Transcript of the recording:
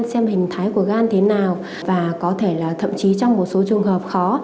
xem hình thái của gan thế nào và có thể là thậm chí trong một số trường hợp khó